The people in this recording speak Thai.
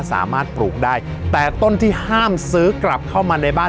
สามารถปลูกได้แต่ต้นที่ห้ามซื้อกลับเข้ามาในบ้าน